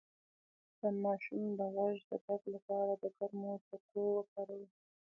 د ماشوم د غوږ د درد لپاره د ګرمو تکو وکاروئ